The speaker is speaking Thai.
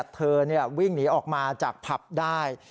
เธอวิ่งหนีออกมาจากผับได้